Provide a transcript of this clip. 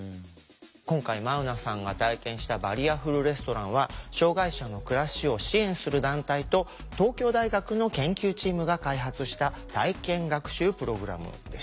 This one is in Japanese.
今回眞生さんが体験したバリアフルレストランは障害者の暮らしを支援する団体と東京大学の研究チームが開発した体験学習プログラムでした。